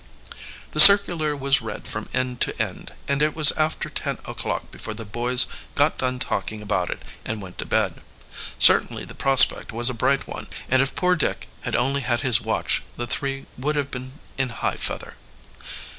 The circular was read from end to end, and it was after ten o'clock before the boys got done talking about it and went to bed. Certainly the prospect was a bright one, and if poor Dick had only had his watch the three would have been in high feather.